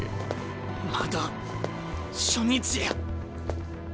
まだ初日や。